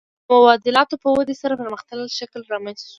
د مبادلاتو په ودې سره پرمختللی شکل رامنځته شو